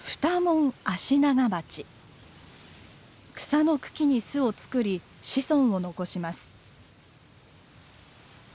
草の茎に巣を作り子孫を残します。